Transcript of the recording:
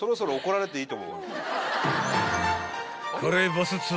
［カレーバスツアー